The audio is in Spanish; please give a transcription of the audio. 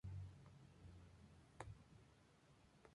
La provincia de Ontario fue llamada así por el lago.